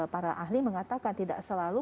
para ahli mengatakan tidak selalu